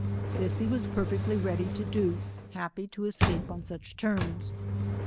This he was perfectly ready to do, happy taescape oq suth terms.